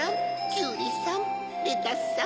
キュウリさんレタスさん。